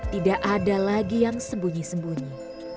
tidak ada lagi yang sembunyi sembunyi